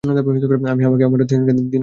আমি আমাকে ও আমার দীনকে ধ্বংস করলাম।